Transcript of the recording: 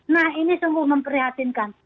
nah ini sungguh memperhatinkan